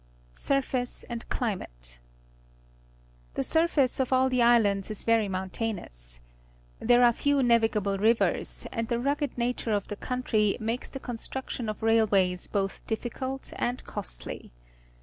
Surface and Climate. — The surface of all the islands is very mountainous. There are few navigable rivers, and the rugged nature of the country makes the construction of railways both difficult and costly.